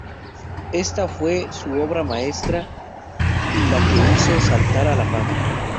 Esta fue su obra maestra y la que le hizo saltar a la fama.